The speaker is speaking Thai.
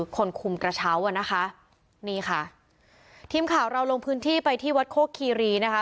คนคุมกระเช้าอ่ะนะคะนี่ค่ะทีมข่าวเราลงพื้นที่ไปที่วัดโคกคีรีนะคะ